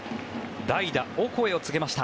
代打、オコエを告げました。